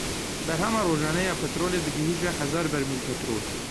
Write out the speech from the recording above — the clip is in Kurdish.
Berhema rojane ya petrolê digihîje hezar bermîl petrol.